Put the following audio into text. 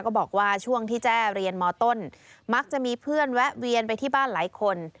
บอกว่าช่วงที่แจ้เรียนมต้นมักจะมีเพื่อนแวะเวียนไปที่บ้านหลายคน